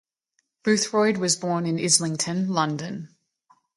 Bothroyd was born in Islington, London.